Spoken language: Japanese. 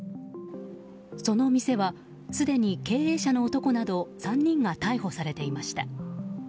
その店はすでに経営者の男など３人が逮捕されていました。